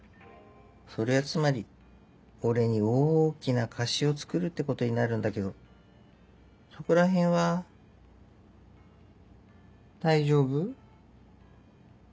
それはつまり俺に大きな貸しを作るってことになるんだけどそこらへんは大丈夫？